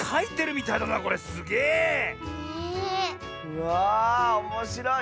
うわあおもしろい。